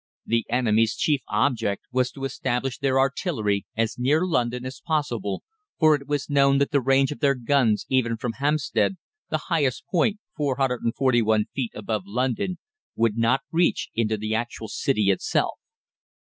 The enemy's chief object was to establish their artillery as near London as possible, for it was known that the range of their guns even from Hampstead the highest point, 441 feet above London would not reach into the actual city itself.